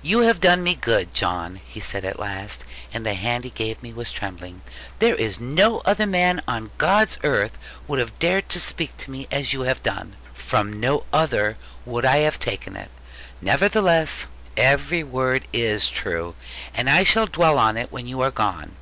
'You have done me good, John,' he said at last, and the hand he gave me was trembling: 'there is no other man on God's earth would have dared to speak to me as you have done. From no other would I have taken it. Nevertheless every word is true; and I shall dwell on it when you are gone.